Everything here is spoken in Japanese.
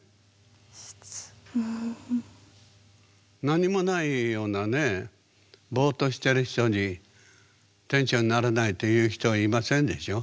何もないようなねボーッとしてる人に「店長にならない？」って言う人はいませんでしょ？